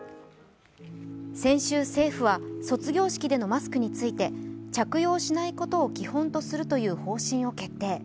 先週、政府は卒業式でのマスクについて着用しないことを基本とするという方針を決定。